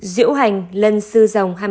diễu hành lần sư dòng